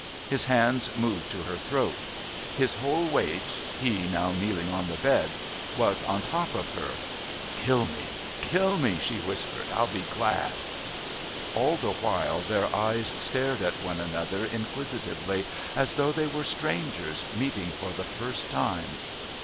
His hands moved to her throat. His whole weight, he now kneeling on the bed, was on top of her. "Kill me! Kill me!" she whispered. "I'll be glad." All the while their eyes stared at one another inquisitively, as though they were strangers meeting for the first time.